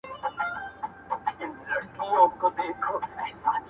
کلونه وروسته هم کيسه ژوندۍ وي-